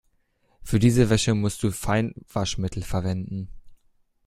Für diese Wäsche musst du Feinwaschmittel verwenden.